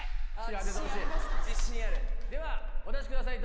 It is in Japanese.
ではお出しください